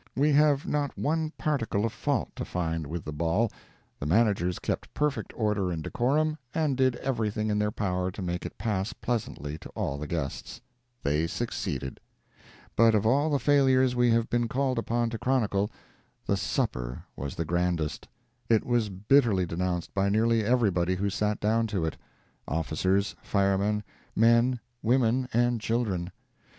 We have not one particle of fault to find with the ball; the managers kept perfect order and decorum, and did everything in their power to make it pass pleasantly to all the guests. They succeeded. But of all the failures we have been called upon to chronicle, the supper was the grandest. It was bitterly denounced by nearly everybody who sat down to it—officers, firemen, men, women and children.